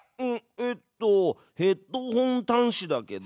えっとヘッドホン端子だけど。